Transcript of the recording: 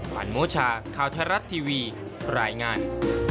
วันโมชาข่าวไทยรัฐทีวีรายงาน